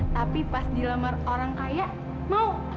tapi pas dilamar orang kaya mau